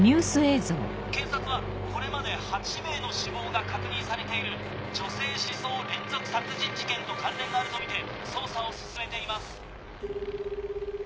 警察はこれまで８名の死亡が確認されている女性刺創連続殺人事件と関連があるとみて捜査を進めています。